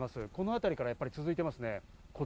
この辺りから続いていますね。